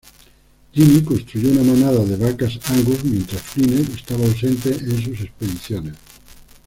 Ginny construyó una manada de vacas Angus mientras Fiennes estaba ausente en sus expediciones.